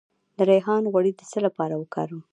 د ریحان غوړي د څه لپاره وکاروم؟